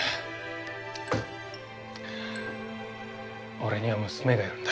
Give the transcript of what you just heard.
俺には娘がいるんだ。